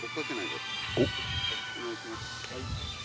お願いします。